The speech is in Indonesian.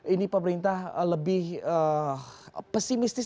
ini pemerintah lebih pesimistis